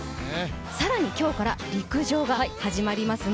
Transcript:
更に今日から陸上が始まりますね